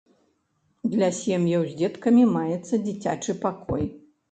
Для сем'яў з дзеткамі маецца дзіцячы пакой.